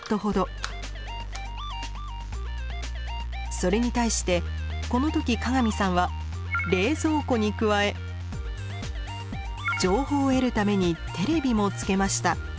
それに対してこの時加賀見さんは冷蔵庫に加え情報を得るためにテレビもつけました。